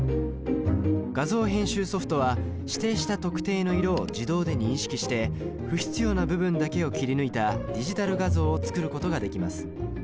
画像編集ソフトは指定した特定の色を自動で認識して不必要な部分だけを切り抜いたディジタル画像を作ることができます。